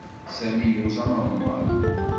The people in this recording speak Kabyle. Sami yuẓam Remḍan.